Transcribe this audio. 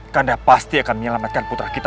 karena pasti akan menyelamatkan putra kita